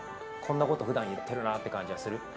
こんなことふだん言ってる感じがする？